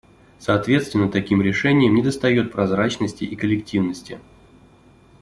Соответственно, таким решениям недостает прозрачности и коллективности.